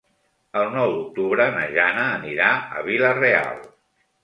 El nou d'octubre na Jana anirà a Vila-real.